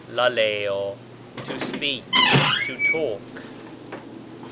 Aadéw, to speak, to talk.